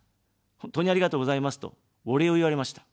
本当にありがとうございますと、お礼を言われました。